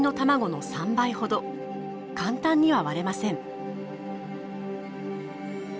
簡単には割れません。